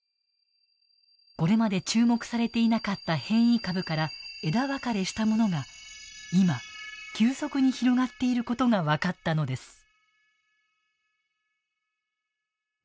これまで注目されていなかった変異株から枝分かれしたものが今、急速に広がっていることが分かったのです。